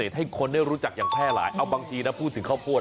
ให้คนได้รู้จักอย่างแพร่หลายเอาบางทีนะพูดถึงข้าวโพด